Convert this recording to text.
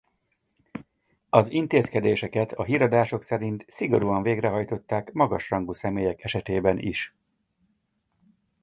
Az intézkedéseket a híradások szerint szigorúan végrehajtották magas rangú személyek esetében is.